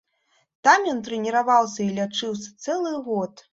Там ён трэніраваўся і лячыўся цэлы год.